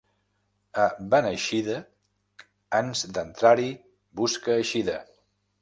A Beneixida, ans d'entrar-hi, busca eixida.